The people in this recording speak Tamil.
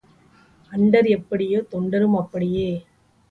அண்டர் எப்படியோ, தொண்டரும் அப்படியே.